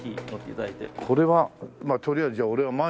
これはまあとりあえずじゃあ俺は前。